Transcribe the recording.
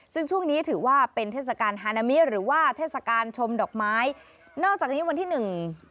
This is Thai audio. ซึ่งช่วงนี้ถือว่าเป็นเทศกาลฮานามิหรือว่าเทศกาลชมดอกไม้นอกจากนี้วันที่หนึ่ง